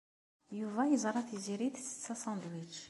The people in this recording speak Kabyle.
Yuba yeẓra Tiziri tsett asandwič.